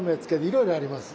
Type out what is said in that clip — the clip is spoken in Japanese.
いろいろあります。